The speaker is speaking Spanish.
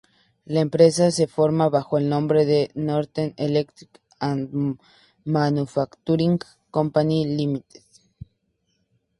La empresa se formó bajo el nombre de "Northern Electric and Manufacturing Company Limited".